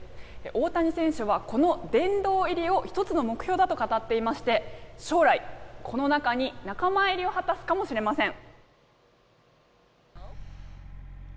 大谷選手はこの殿堂入りを１つの目標だと語っていまして将来、この中に仲間入りを果たすかもしれません。